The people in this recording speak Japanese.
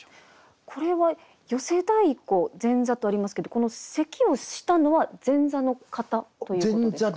これは「寄席太鼓」「前座」とありますけどこの咳をしたのは前座の方ということですか？